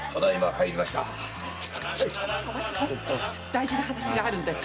大事な話があるんだよ。